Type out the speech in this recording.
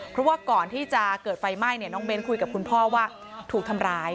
เพราะว่าก่อนที่จะเกิดไฟไหม้น้องเบ้นคุยกับคุณพ่อว่าถูกทำร้าย